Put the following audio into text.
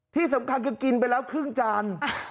ที่สำคัญคือกินไปแล้วครึ่งจาน